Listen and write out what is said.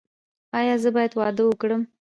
ایا زه باید واده وکړم؟